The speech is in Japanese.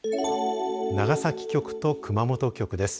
長崎局と熊本局です。